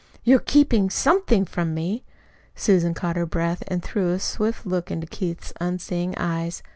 "You're keeping SOMETHING from me." Susan caught her breath and threw a swift look into Keith's unseeing eyes.